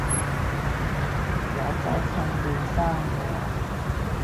有仔趁嫩生喎